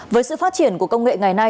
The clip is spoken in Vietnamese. với sự phát triển của công nghệ ngày nay